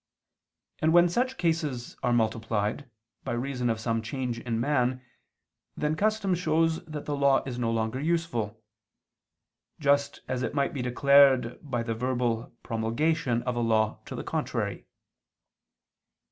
And when such cases are multiplied, by reason of some change in man, then custom shows that the law is no longer useful: just as it might be declared by the verbal promulgation of a law to the contrary.